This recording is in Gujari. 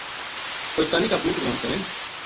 کوہستانی کا پوت غلام حسین